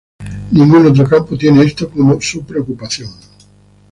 Ningún otro campo tiene esto como su preocupación.